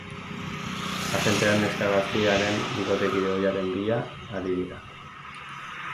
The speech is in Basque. Agenteak neska gaztearen bikotekide ohiaren bila ari dira.